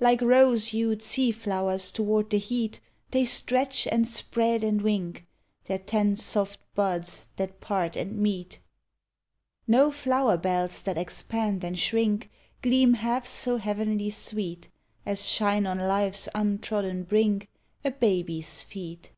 Like rose hued sea flowers toward the heat They stretch and spread and wink Their ten soft buds that part and meet. No Hower lK'lls that expand and shrink Gleam half so heavenly sweet As shine on life's untrodden brink A baby's feet.